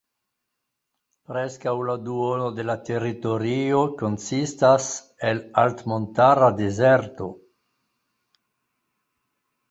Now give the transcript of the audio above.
Preskaŭ la duono de la teritorio konsistas el altmontara dezerto.